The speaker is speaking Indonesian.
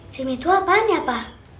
sim itu apaan ya pak